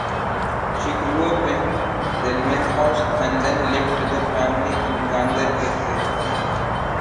She grew up in Delmenhorst and then lived with her family in Ganderkesee.